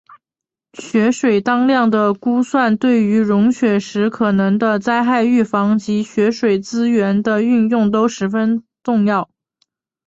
雪水当量的估算对于融雪时可能的灾害预防以及雪水资源的运用都十分重要。